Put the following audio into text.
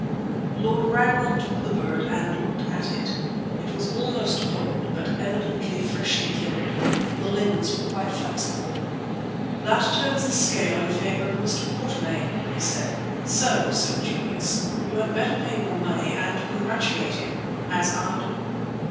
Lord Ragnall took the bird and looked at it. It was almost cold, but evidently freshly killed, for the limbs were quite flexible. "That turns the scale in favour of Mr. Quatermain," he said, "so, Sir Junius, you had better pay your money and congratulate him, as I do."